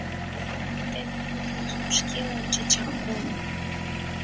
Молан пуртен огытылжым шке ончычак колын.